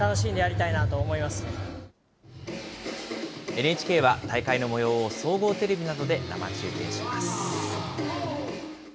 ＮＨＫは大会のもようを総合テレビなどで生中継します。